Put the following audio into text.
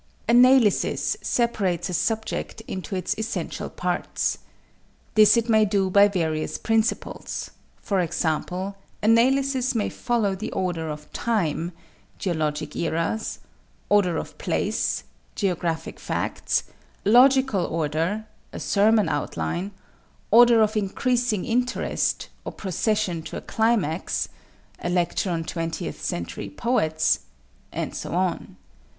=Analysis= separates a subject into its essential parts. This it may do by various principles; for example, analysis may follow the order of time (geologic eras), order of place (geographic facts), logical order (a sermon outline), order of increasing interest, or procession to a climax (a lecture on 20th century poets); and so on.